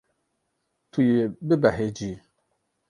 Tu yê bibehecî.